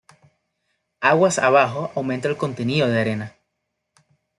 Aguas abajo aumenta el contenido de arena.